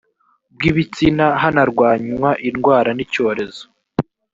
bw ibitsina hanarwanywa indwara n icyorezo